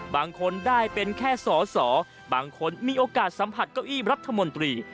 บางคนได้เป็นแค่สอสอบางคนมีโอกาสสัมผัสเก้าอี้รัฐมนตรี